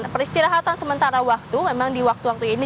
peristirahatan sementara waktu memang di waktu waktu ini